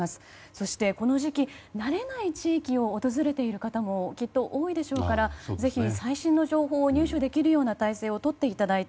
そしてこの時期、慣れない地域を訪れている方もきっと多いでしょうからぜひ、最新情報を入手できる態勢をとっていただき